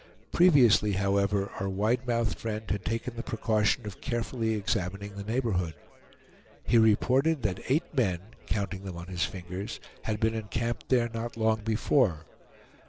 Previously, however, our wide mouthed friend had taken the precaution of carefully examining the neighborhood. He reported that eight men, counting them on his fingers, had been encamped there not long before.